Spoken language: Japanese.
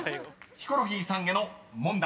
［ヒコロヒーさんへの問題］